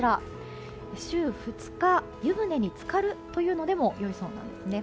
週２日、湯船につかるというのでもよいそうなんですね。